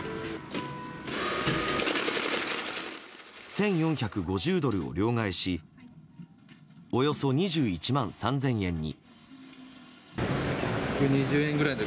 １４５０ドルを両替しおよそ２１万３０００円に。